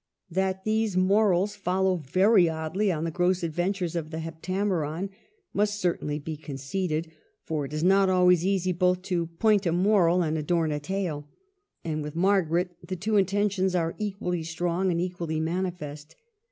That these morals follow very oddly on the gross adventures of the " Heptameron " must certainly be conceded, for it is not always easy both '^ to point, ^a moral and adorn a tale," and with Margaret the two intentions are equally strong and equally manifest.